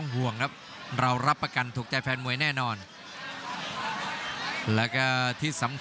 กรุงฝาพัดจินด้า